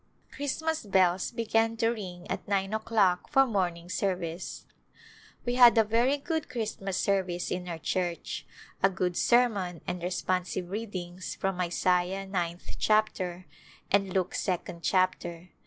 Christmas bells began to ring at nine o'clock for morning service. We had a very good Christmas service in our church, a good sermon and responsive readings from Isaiah ninth chapter and Luke second chapter.